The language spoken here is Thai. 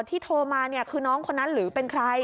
ที่โทรมาคือน้องคนนั้นหรือเป็นใคร